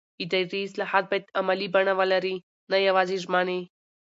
اداري اصلاحات باید عملي بڼه ولري نه یوازې ژمنې